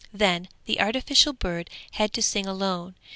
Then the artificial bird had to sing alone.